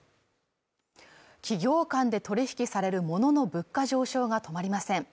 企業間で取引される物の物価上昇が止まりません